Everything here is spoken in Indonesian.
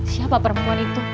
siapa perempuan itu